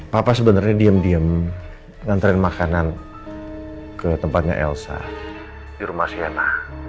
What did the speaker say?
papa sebenarnya diem diem nganterin makanan ke tempatnya elsa di rumah siana